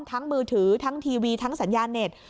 มือถือทั้งทีวีทั้งสัญญาเน็ต